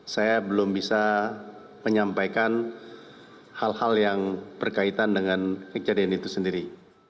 saya belum bisa menyampaikan hal hal yang berkaitan dengan kejadian itu sendiri